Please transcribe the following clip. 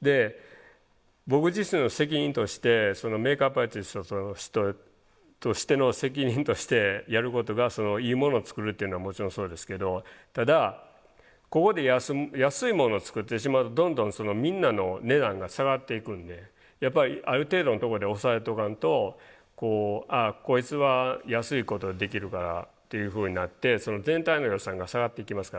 で僕自身の責任としてメイクアップアーティストとしての責任としてやることがいいものを作るというのはもちろんそうですけどただここで安いものを作ってしまうとどんどんみんなの値段が下がっていくんでやっぱりある程度のとこで抑えとかんとああこいつは安いことできるからっていうふうになって全体の予算が下がっていきますから。